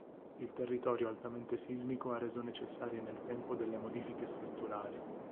Il territorio altamente sismico ha reso necessarie nel tempo delle modifiche strutturali.